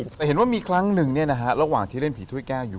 แต่เห็นว่ามีครั้งนึงเนี่ยนะคะระหว่างที่เล่นผีถุ้ยแก้วอยู่